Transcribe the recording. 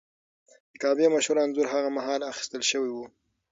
د کعبې مشهور انځور هغه مهال اخیستل شوی و.